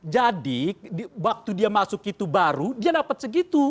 jadi waktu dia masuk itu baru dia dapat segitu